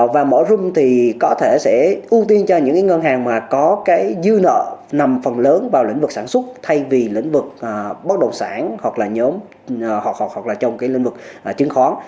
và mở rome thì có thể sẽ ưu tiên cho những ngân hàng mà có cái dư nợ nằm phần lớn vào lĩnh vực sản xuất thay vì lĩnh vực bất động sản hoặc là nhóm hoạt hoặc là trong cái lĩnh vực chứng khoán